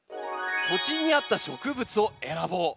「土地に合った植物を選ぼう」。